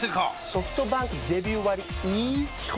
ソフトバンクデビュー割イズ基本